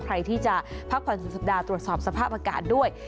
ใครที่จะพักผ่อนสุดสัปดาห์ตรวจสอบสภาพอากาศด้วย